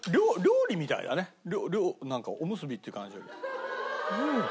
なんかおむすびっていう感じより。